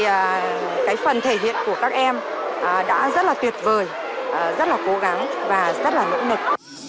thì cái phần thể hiện của các em đã rất là tuyệt vời rất là cố gắng và rất là nỗ lực